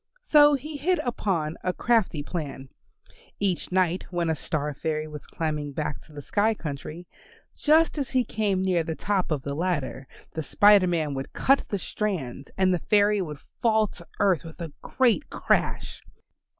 So he hit upon a crafty plan. Each night when a Star fairy was climbing back to the sky country, just as he came near the top of the ladder, the Spider Man would cut the strands and the fairy would fall to earth with a great crash.